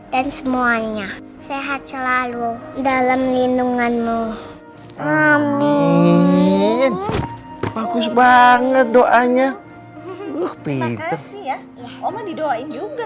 dan semuanya sehat selalu dalam lindunganmu amin bagus banget doanya lho pita ya om didoain juga